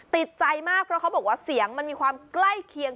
ติดใจมากเพราะเขาบอกว่าเสียงมันมีความใกล้เคียง